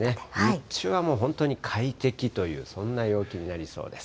日中は本当に快適という、そんな陽気になりそうです。